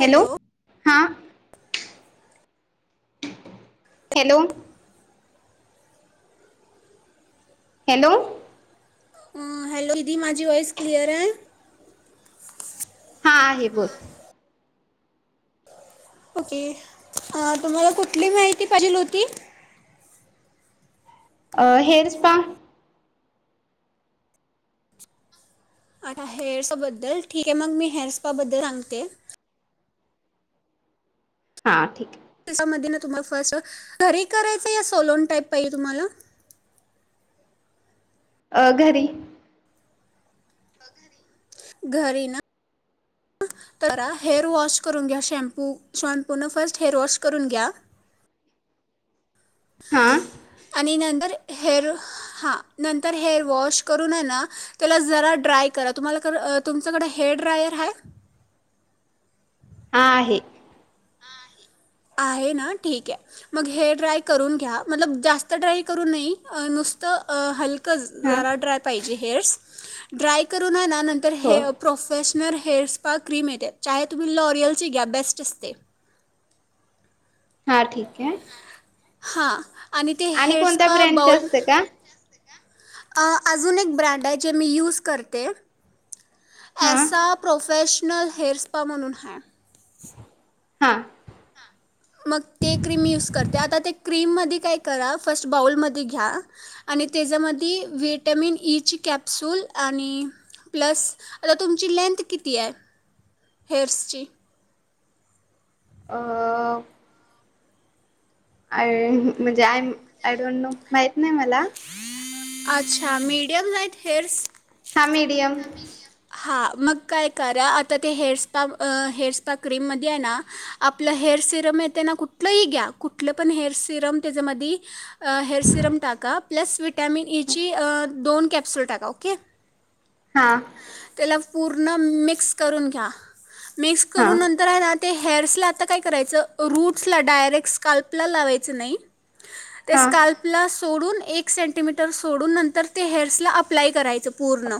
Hello हा hello hello hello दिदी माझी वॉइस क्लिअर हाय? हा आहे बोल. ओके तुम्हाला कुठली माहिती पायजेल होती? अ हेअर स्पा. अ हेअरस्पा बद्दल ठीक आहे मग मी हेअस्पा बद्दल सांगते. हा ठीक हाय. त्याच्यामध्ये ना तुम्हाला फर्स्ट घरीे करायचं या सलोन टाईप पाहिजे तुम्हाला? अ घरी घरी ना तर आता हेअर वॉश करून घ्या शॅम्पू शॉम्पून फर्स्ट हेअर वॉश करून घ्या. हां आणि नंत हेअर हा नंतर हेअर वॉश करून आहे ना त्याला जरा ड्राय करा. तुम्हाला तुमच्याकडें हेअर ड्रायर हाय? हा आहे. आहे ना ठीक आहे. मग हेअर ड्राय करून घ्या. मतलब जास्त ड्राय करून नाही नुसतं हलकं हां जरा ड्राय पाहिजे हेअरस ड्राय करून हाय ना नंतर हो हे professional hair spa cream येते च्याय तुम्ही लोरियलची घ्या बेस्ट असते. हां ठीक आहे. हा! आणि ते हेअर कोणत्या स्पा ब्रँडचे बाऊल असते का आ. अजून एक ब्रँड आहे जे मी यूज करते. हां ऐसा प्रोपेश नल हेर् स्पा म्हणून हाय. हा! मग ते क्रीम यूज करते आता ते क्रीममनं ते काय करा फर्स्ट बाऊलमध्ये घ्या, आणि त्याच्यामधी विटॅमिन ईची कॅप्सुल, आणि प्लस आता तुमची लेंथ किती आहे हेअर्सची. अं आय म्हणजे आयम आय डोंट नो माहीत नाही मला. अच्छा मीडियम साईथ हेअर्स. हा मिडियम. हां मग काय करा आता ते हेअरस्पा हेअरस्पा क्रीममध्ये आहे ना, आपलं हेअर सिरम येते ना कुठलंही घ्या कुठलं पण हेअर सिरम, त्याच्यामध्ये हेअर सिरम टाका प्लस विटॅमिन ईची दोन कॅप्सूल टाका ओके. हा! त्याला पूर्ण मिक्स करून घ्या. मिक्स हां करून नंतर हाय ना ते. हेअर्सला आता काय करायचं रूट्सला डायरेक्ट स्काल्पला लावायचं नाही. ते हां स्काल्पला सोडून एक सेंटीमीटर सोडून नंतर ते हेअर्सला अप्लाय करायचं. पूर्ण.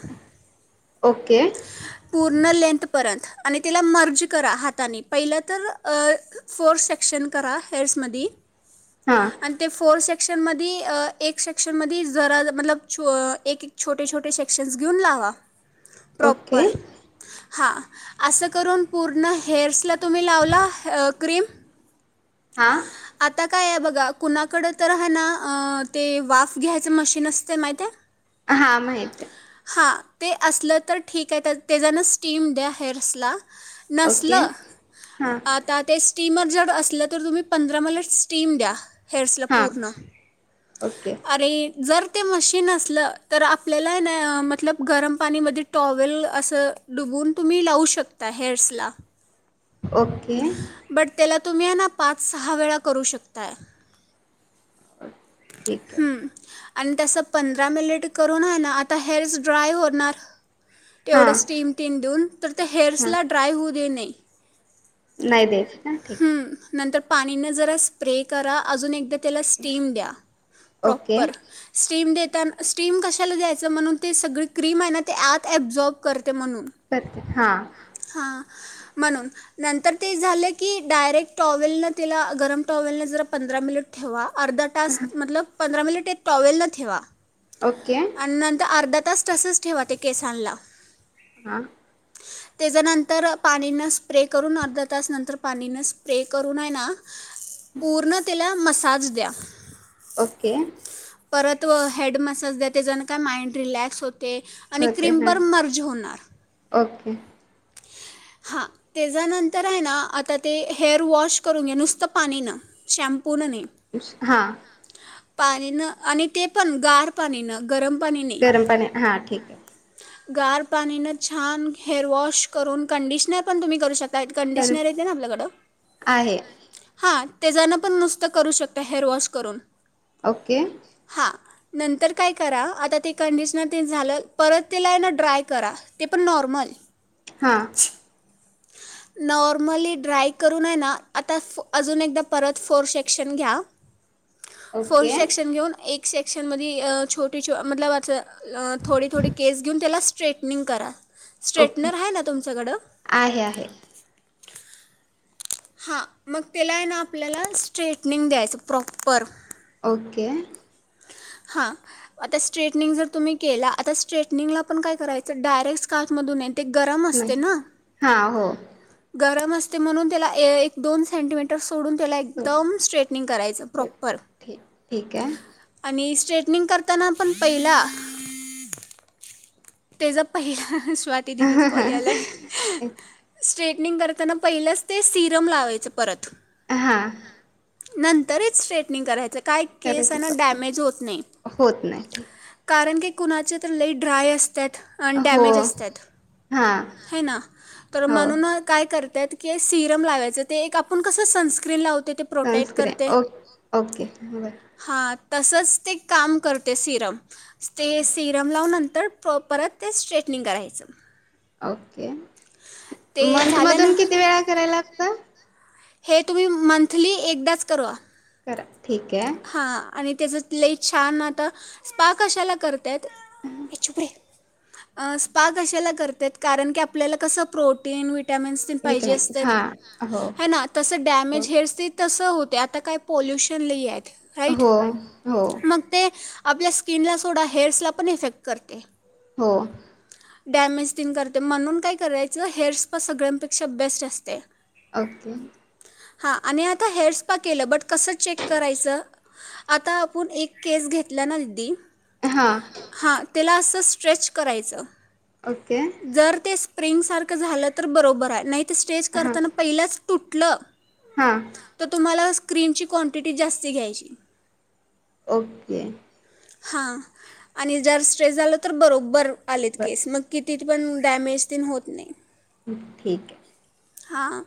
ओके. पूर्ण लेंथपर्यंत आणि तिला मर्ज करा हाताने पहिलं तर अ फोर सेक्शन करा हेअर्समदी. हां आणि ते फोर से शन मदि अ एक सेक्शन मदि जरा मतलब छो एक छोटे छोटे सेक्शन घेऊन लावा. Okay proper. हां असं करून पूर्ण हेअर्सला तुम्ही लावला अ क्रीम? हा! आता काय आहे बघा कुणाकड तर हाय ना अ ते वाफ घ्यायच मशीन असते माहिती आहे. हा माहित आहे. हां! ते असलं तर ठीक आहे तर तेजानं स्टीम द्या हेअर्सला. आहे ओके नसलं हां आता ते स्टीमर जर असलं तर तुम्ही पंधरा मला स्टीम द्या. हेअर्सला हां पूर्ण ओके अरे जर ते मशीन असलं तर आपल्याला ये ना मतलब गरम पाणीमध्ये टॉवेल असं डुबउन तुम्ही लावू शकताय हेअर्सला. ओके. बट त्याला तुम्ही येना पाच-सहा वेळा करू शकताय. ठीक आहे. आणि तसं पंधरा मिनिट करून हाय ना आता हेरस ड्राय होणार. तेवढं हां स्टीम टीम देऊन तर त्या हां हेअर्सला ड्राय होऊ देने. नाही द्यायचं का? ठीक. हम्म, नंतर पाणीन जरा स्प्रे करा, अजून एकदा त्याला स्टीम द्या ओके प्रॉपर स्टीम देतान स्टीम कशाला द्यायचं म्हणून ते सगळी क्रीम आहे ना ते आत अब्झॉर्ब कर कर ते हा! हां, म्हणून नंतर ते झालं की डायरेक्ट टॉवेल नं तेला गरम टॉवेलन जर पंधरा मिनिट ठेवा. अर्धा टास्क मतलब पंधरा मिलीट ते टॉवेला ठेवा. ओके. आणि नंतर अर्धा तास तसेच ठेवा ते केसांनला. हां तेजानंतर पाणीनं स्प्रे करून, अर्धा तास नंतर पाणीनं स्प्रे करून हाय ना पूर्ण तीला मस् आज द्या ओके. परत व हेड मसाज देते जणू काय माइंड रिलॅक्स होत ते, आणि होते क्रीम हां पर मर्ज होणार. [unintelligible] हां, तेजानंतर आहे ना आता ते हेअर वॉश करून घ्या, नुसतं पाणी नं शॅम्पू नं नइ. हां! पाणीनं आणि ते पण गार पाणी नं. गरम गरम पाणी हां ठीके. गार पाणीनं छान हेअरवॉश करून कंडिशनर पण तुम्ही करू शक लाईट तर कंडिशनर येते ना आपल्याकडं, आहे हां ते जणं पण नुसतं करू शकतय हेअर वॉश करून. ओके. हां नंतर काय करा, आता ते कंडिशनर तेन झालं परत तेला ए ना ड्राय करा ते पण नॉर्मल. हां छी् नॉर्मली ड्राय करूनय ना, आता फ अजून एकदा परत फोर सेक्शन घ्या. फोर् ओके सेक्शन घेऊन एक सेक्शन मधी अ छोटे छो मतलब असं ल थोडे-थोडे केस घेऊन त्यालास् ट्रेटनिंग करा. ओके स्ट्रेटनर हाय ना तुमच्याकडं? आहे आहे हां, मग त्याला आहे ना आपल्याला स्ट्रेटनिंग द्यायचं प्रॉपर. ओके. हां, आता स्ट्रेटनिंग जर तुम्ही केला आता स्ट्रेटनिंगला पण काय करायचं डायरेक्ट स्काथमधून एन- ते गरम नाही असते ना? हां हो गरम अस् ते म्हणून तेला ए एक-दोन सेंटीमीटस् सोडून त्याला सो एकदम स्ट्रेटनिंग करायचं प्रॉपर. ठीक ठीक आहे मी स्ट्रेटनिंग करताना पण पहिला तेजा पहिला स् स्वाति दीदी चा कॉल यालाय, स्टेट निंग करताना पहिलंच ते सिरम लावायचं परत. हां नंतरच स्ट्रेटनिंग करायचं. काय केस अ करायचं ना पण डॅमेज होत नाही. होत नाही ठीक कारण की कुणाची तर लई ड्राय अस अन् हो डॅमेज असत्यात. हां हाय ना, तर हो म्हणून काय कर त्यात के सिरम लावायचं ते एक आपण कसं सनस्क्रीन लावो सनस्क्रीन. ओ ओके बर. हां तसंच ते काम करते सिरम. ते सिरम लाव नंत तर् प्र परत ते स्ट्रेटनिंग करायचं. ओके ते मंथ झालं ना मधून किती वेळा कराय लागतं? हे तुम्ही मंथली एकदाच करवा. [unintelligible] करा ठीके. आणि त्याजत् लई छान आता, स्पा कशाला कर त्यात, ए चुप रे. अं स्पा कशाला करत्यात, कारण की आपल्याला कसं प्रोटीन विट [unintelligible] तेन विक्रम पाहिजे असतेत. हां हो हाय ना तस हो डॅमेज हेयर्सनी तसं होत ते आता काय पोल्युशन लयाय. हो हो. आपल्या स्किनला सोडा, हेअर्स ला पण इफेक्ट करते. हो. डॅमेज तिन करते म्हणून काय करायचं, हेअर्स स्पा सगळ्यांपेक्षा बेस्ट असते. ओके. हा आणि आता हेअर स्पा केलं, बट कसं चेक करायचं. आता आपण एक केस घेतला ना दिदी, हा. त्याला असं स्ट्रेच करायचं. ओके जर ते स प्रेम सारखं झालं तर बरोबर आहे. नाही ते स्टेज हां करताना पहिलाच, तुटलं हां तर तुम्हाला अस क्रीमची क्वांटिटी जास्त घ्यायची. ओके. हा आणि जर स्ट्रेस झालं तर बरोब्बर आलेत बर केस मग किती, पण डॅमेज तेन होत नाही. ठीके. हां [unintelligible]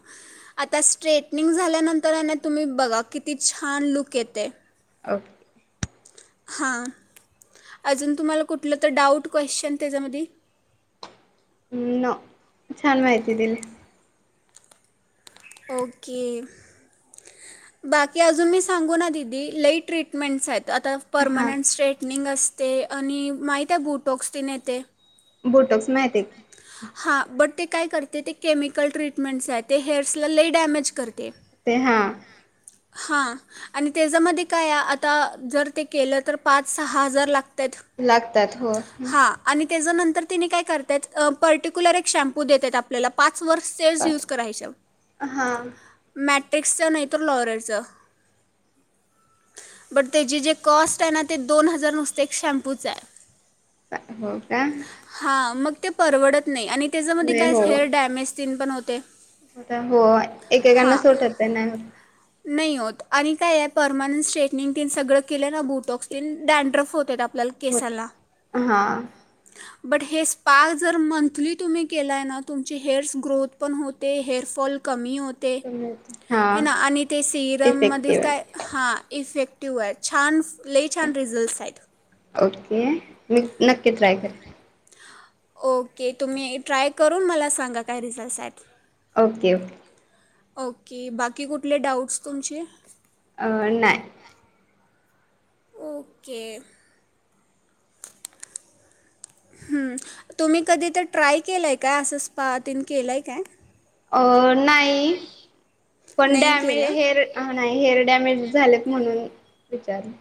आता स्ट्रेटनिंग झाल्यानंतर ना तुम्ही बघा किती, छान लूक येतय. ओके हां, अजून तुम्हाला कुठलं तर डाऊट क्वशचन त्याज्या मधी. नो, छान माहीती दिली. ओके, बाकी अजून मी सांगू ना दिदी लई ट्रीटमेंटस आहेत. आता हां परमनंट स्ट्रेटनिंग अस ते आणि माहीतीये बुटोक्स ते न येते. बोटक्स माहीतय. हा, बट ते काय करते ते केमिकल ट्रीटमेंट्स आहे, ते हेअर्सला लई डॅमेज करते. ते हा. हां आणि त्याजमध्ये काय आता, जर ते केलं तर पाच सहा हजार लाग लागतात, हो. तेज नंतर तेनी काय करत्यात अ पर्टीकुलर एक शॅम्पू देत्यात आपल्याला पा वर्ष सेज यूज बस करायच हां मॅक एक्सा नाही त लॉरन्स बट त्याची जे कॉस्ट आहे ना ते दोन हजार नुसते एक शॅम्पूच आहे हो का हां मग ते परवडत नाही आणि त्याच्यामध्ये नाही काय हो हेअर डॅमेज तीन पण हो ते होता हो एकेकांना सुट होतंय नाय होत नही होत आणि काय आहे पर्मनंट स्ट्रेटनिंग तीन सगळं केलं ब्युटॉक्स स्टिंन डॅनड्रफ होतात आपल्याला होत केसाला हा बट हे स्पा जर मंथली तुम्ही केलाय ना तुमची हेअरस ग्रोथ पण होते हेअरफॉल कमी हो होते हा ते सिरममध्येच इफेक्टिव्ह काय आहे हां इफेक्ट ट्यू आहे छान लय छान रिझल्ट आहेत. नक नक्की ट्राय करेल ओके तुम्ही ट्राय करून मला सांगा काय रिझल्टस आहेत. ओके ओके ओके बाकी कुठले डाऊट्स तुमचे अ नाय. ओके हूं तुम्ही कधी ते ट्राय केलंय काय असं स्पा तीन केलंय काय? अ नाही पण नाही डॅमे केलं हेअर नाही हेअर डॅमेज झालेत म्हणून विचारलं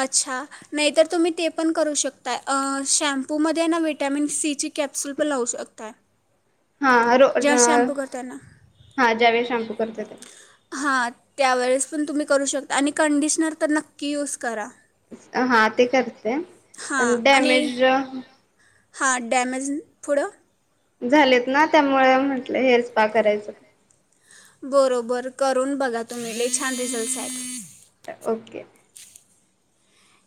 अच्छा नाहीतर तुम्ही ते पण करू शकताय अ अ शॅम्पूमध्ये ना विटॅमिन सी ची कॅप्सूल पण लावू शकताय. हा रो र जेव्हा शॅम्पू करताना हा ज्यावेळी शॅम्पू करत त्या हां त्यावेळेस पण तुम्ही करू शकता आणि कंडिशनर तर नक्की यूज करा. हा ते करते पण हां आणि डॅमेज हां डॅमेज थोडं झालेत ना त्यामुळे म्हटलं हेर स्पा करायचं का बरोबर करून बघा तुम्ही लई छान रिजल्ट हायत. ओके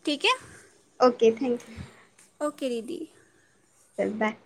ठीक ये ओके थँक्यू ओके दिदी चल बाय